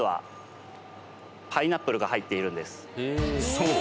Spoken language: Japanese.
［そう。